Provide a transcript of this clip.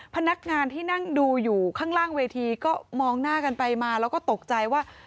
พนักงานที่นั่งดูอยู่ข้างล่างเวทีก็มองหน้ากันไปมาแล้วก็ตกใจว่า